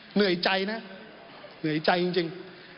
เหนื่อยใจนะเหนื่อยใจจริง